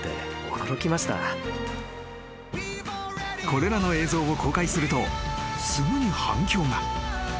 ［これらの映像を公開するとすぐに反響が］